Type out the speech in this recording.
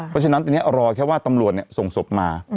เพราะฉะนั้นตอนนี้รอแค่ว่าตำรวจส่งศพมา